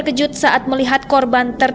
ibu apa itu mbak nuri